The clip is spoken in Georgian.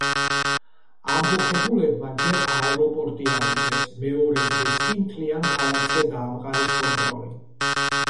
ამბოხებულებმა ჯერ აეროპორტი აიღეს, მეორე დღეს კი მთლიან ქალაქზე დაამყარეს კონტროლი.